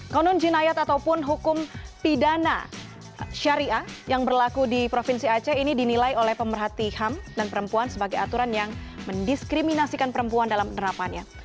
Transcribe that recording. konon jinayat ataupun hukum pidana syariah yang berlaku di provinsi aceh ini dinilai oleh pemerhati ham dan perempuan sebagai aturan yang mendiskriminasikan perempuan dalam penerapannya